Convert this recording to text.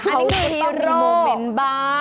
อันนี้คือฮีโร่